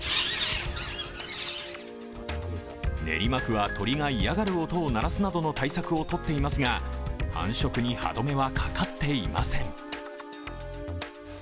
練馬区は鳥が嫌がる音を鳴らすなどの対策をとっていますが繁殖に歯止めはかかっていません。